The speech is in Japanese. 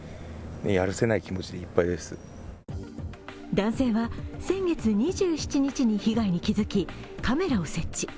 男性は先月２７日に被害に気づき、カメラを設置。